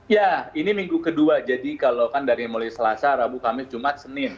ya ini minggu kedua jadi kalau kan dari mulai selasa rabu kamis jumat senin